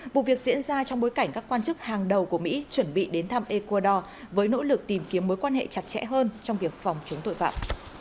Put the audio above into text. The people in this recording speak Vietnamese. vụ việc diễn ra trong bối cảnh các quan chức hàng đầu của mỹ chuẩn bị đến thăm ecuador với nỗ lực tìm kiếm mối quan hệ chặt chẽ hơn trong việc phòng chống tội phạm